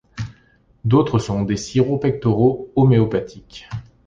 D'autres sont des sirops pectoraux homéopathiques.